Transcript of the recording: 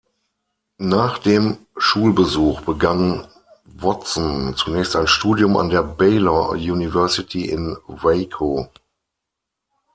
Nach dem Schulbesuch begann Watson zunächst ein Studium an der Baylor University in Waco.